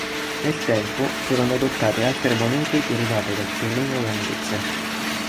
Nel tempo, furono adottate altre monete derivate dal fiorino olandese.